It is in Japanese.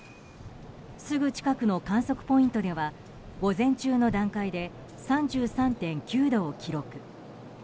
すぐ近くの観測ポイントでは午前中の段階で３３．９度を記録。